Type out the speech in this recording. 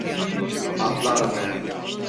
Atla arabaya.